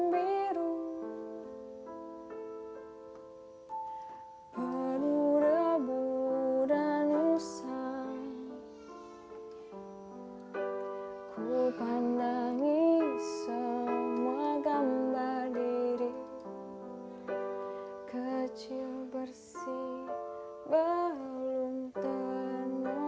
pikirku pun melayang